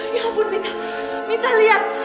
ya ampun mita mita liat